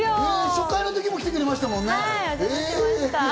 初回も来てくれましたもんね。